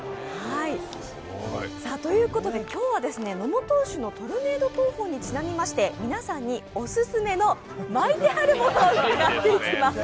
ということで、今日は野茂投手のトルネード投法にちなみまして皆さんにオススメの「巻いてあるもの」を紹介していただきます。